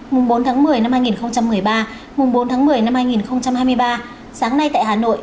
mùng bốn tháng một mươi năm hai nghìn một mươi ba mùng bốn tháng một mươi năm hai nghìn hai mươi ba sáng nay tại hà nội